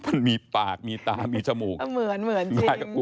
มันมีปากมีตามีจมูก